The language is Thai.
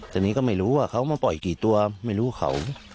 ตอนนี้ก็ไม่รู้ว่าเขามาปล่อยกี่ตัวไม่รู้เขา